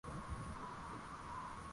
Mimi napenda amani